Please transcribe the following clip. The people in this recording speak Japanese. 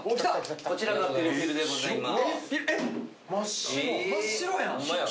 こちらがピルピルでございます。